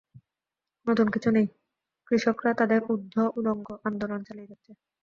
নতুন কিছু নেই, কৃষকরা তাদের অর্ধ-উলঙ্গ আন্দোলন চালিয়ে যাচ্ছে।